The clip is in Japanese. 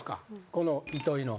この糸井の。